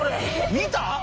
見た？